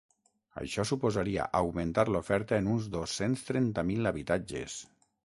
Això suposaria augmentar l’oferta en uns dos-cents trenta mil habitatges.